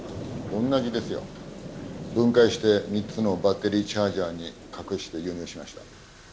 おんなじですよ。分解して３つのバッテリーチャージャーに隠して輸入しました。